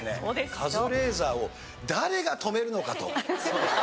カズレーザーを誰が止めるのかと。